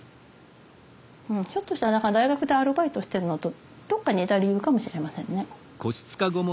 ひょっとしたらだから大学でアルバイトしてるのとどっか似た理由かもしれませんね。